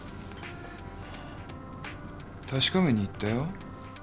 確かめに行ったよ。